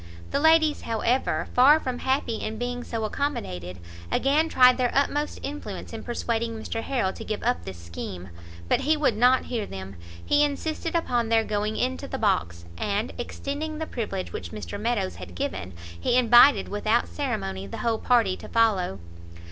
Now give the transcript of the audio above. The ladies, however, far from happy in being so accommodated, again tried their utmost influence in persuading Mr Harrel to give up this scheme; but he would not hear them, he insisted upon their going into the box, and, extending the privilege which Mr Meadows had given, he invited without ceremony the whole party to follow.